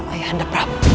ayah anda prabu